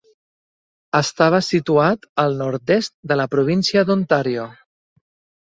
Estava situat al nord-est de la província d'Ontario.